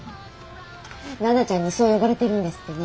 奈々ちゃんにそう呼ばれてるんですってね。